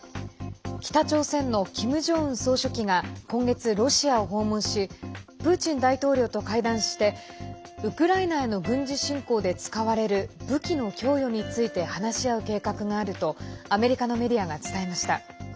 北朝鮮のキム・ジョンウン総書記が今月、ロシアを訪問しプーチン大統領と会談してウクライナへの軍事侵攻で使われる武器の供与について話し合う計画があるとアメリカのメディアが伝えました。